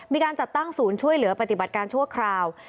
มีการจัดตั้งศูนย์ช่วยเหลือปฏิบัติการชั่วคราว